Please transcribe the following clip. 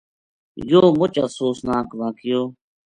یوہ مُچ افسوس ناک واقعو